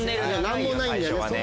何もないんだよね。